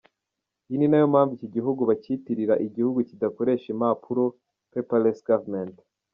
Iyi ninayo mpamvu iki gihugu bacyitirira igihugu kidakoresha impapuro’ 'Paperless government'.